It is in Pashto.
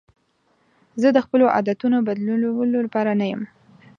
زه د خپلو عادتونو بدلولو لپاره نه یم.